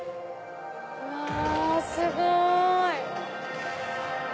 うわすごい！